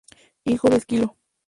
Hijo de Esquilo.